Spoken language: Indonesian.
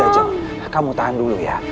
ajang kamu tahan dulu ya